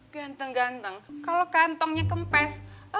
ganteng ganteng kalau kantongnya kempes